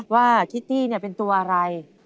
คิตตี้เป็นตัวอะไร